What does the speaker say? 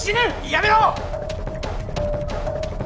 やめろ！